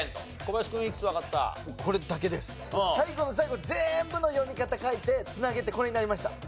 最後の最後全部の読み方書いて繋げてこれになりました。